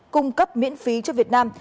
cung cấp miễn phí cho việt nam